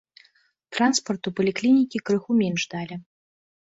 Транспарту паліклінікі крыху менш далі.